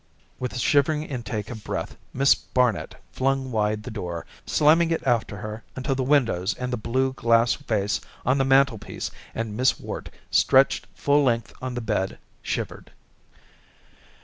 With a shivering intake of breath Miss Barnet flung wide the door, slamming it after her until the windows and the blue glass vase on the mantelpiece and Miss Worte, stretched full length on the bed, shivered.